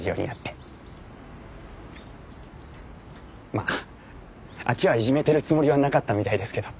まああっちはいじめてるつもりはなかったみたいですけど。